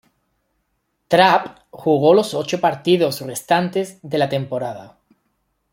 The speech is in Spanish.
Trapp jugó los ocho partidos restantes de la temporada.